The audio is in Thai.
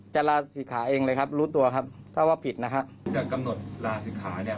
จะกำหนดลาศิษฐาเนี้ยเพราะความตั้งใจ